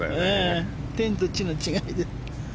天と地の違い。